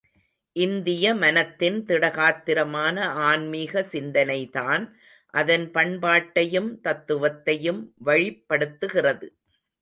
இந்திய மனத்தின் திடகாத்திரமான ஆன்மீக சிந்தனைதான் அதன் பண்பாட்டையும், தத்துவத்தையும் வழிப்படுத்துகிறது.